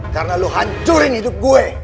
karena kau hancurkan hidupku